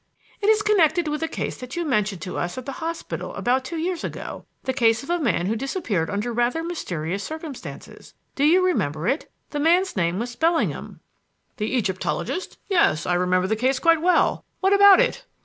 "It is connected with a case that you mentioned to us at the hospital about two years ago, the case of a man who disappeared under rather mysterious circumstances. Do you remember it? The man's name was Bellingham." "The Egyptologist? Yes, I remember the case quite well. What about it?"